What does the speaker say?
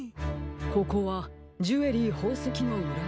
ここはジュエリーほうせきのうらぐち。